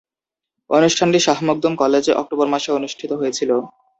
অনুষ্ঠানটি শাহ মখদুম কলেজে অক্টোবর মাসে অনুষ্ঠিত হয়েছিলো।